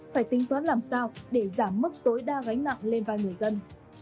phải tính toán làm sao để giảm mức tối đa gánh nặng lên vai người dân